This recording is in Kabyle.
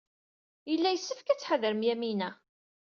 Yella yessefk ad tḥadrem Yamina.